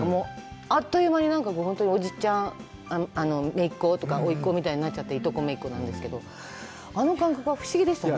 あっという間に本当におじちゃん、めいっ子とかおいっ子みたいになっちゃって、いとこ、あの感覚は不思議でしたね。